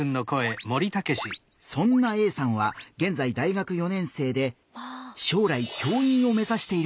そんなＡさんはげんざい大学４年生で将来教員を目ざしているんだ。